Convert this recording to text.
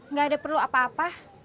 nggak ada perlu apa apa